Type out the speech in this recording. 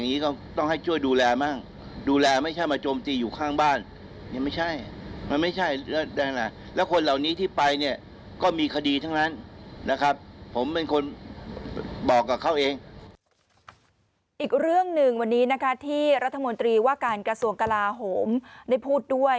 อีกเรื่องหนึ่งวันนี้นะคะที่รัฐมนตรีว่าการกระทรวงกลาโหมได้พูดด้วย